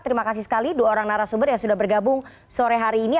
terima kasih sekali dua orang narasumber yang sudah bergabung sore hari ini